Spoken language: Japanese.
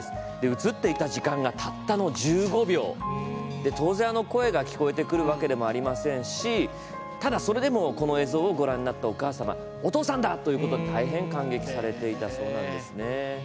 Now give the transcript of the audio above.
映っていた時間がたったの１５秒で当然、声が聞こえてくるわけでもありませんしただ、それでも、この映像をご覧になったお母様は「お父さんだ！」ということで大変感激されていたということですね。